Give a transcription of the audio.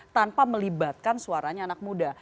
tanpa melibatkan suaranya anak muda